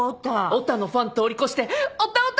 オタのファン通り越してオタオタです！